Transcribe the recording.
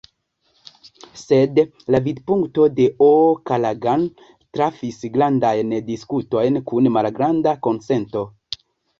Sed la vidpunkto de O’Callaghan trafis grandajn diskutojn kun malgranda konsento.